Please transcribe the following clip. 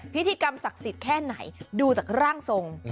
พิธีกรรมศักดิ์สิทธิ์แค่ไหนดูจากร่างทรง